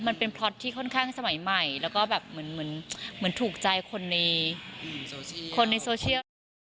พล็อตที่ค่อนข้างสมัยใหม่แล้วก็แบบเหมือนถูกใจคนในโซเชียลนะคะ